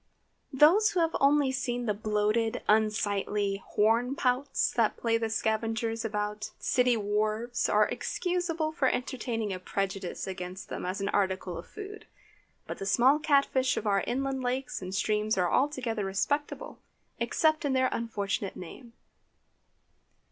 ✠ Those who have only seen the bloated, unsightly "hornpouts" that play the scavengers about city wharves, are excusable for entertaining a prejudice against them as an article of food. But the small cat fish of our inland lakes and streams are altogether respectable, except in their unfortunate name.